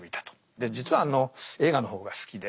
で実はあの映画の方が好きで。